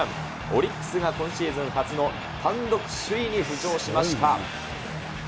オリックスが今シーズン初の単独首位に浮上しました。